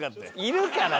いるから！